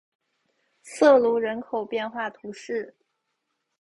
瑟卢人口变化图示